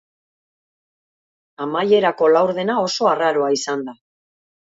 Amaierako laurdena oso arraroa izan da.